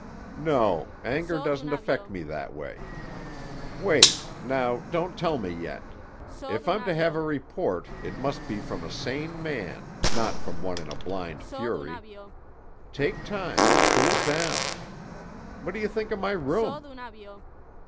"No; anger doesn't affect me that way. Wait! Now, don't tell me yet. If I'm to have a report, it must be from a sane man, not from one in a blind fury. Take time and cool down. What do you think of my room?"